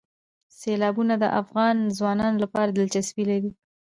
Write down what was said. سیلابونه د افغان ځوانانو لپاره دلچسپي لري.